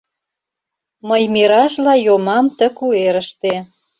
Мый миражла йомам ты куэрыште.